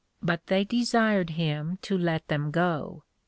But they desired him to let them go.